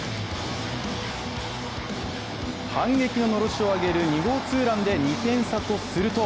反撃ののろしを上げる２号ツーランで２点差とすると